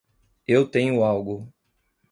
Eu tenho algo!